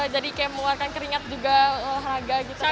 jadi kayak mengeluarkan keringat juga olahraga gitu kan